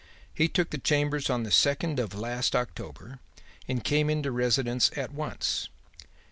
He took the chambers on the second of last October and came into residence at once.